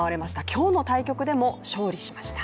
今日の対局でも勝利しました。